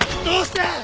どうして！